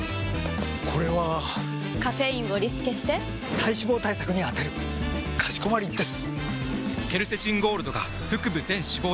これはカフェインをリスケして体脂肪対策に充てるかしこまりです！！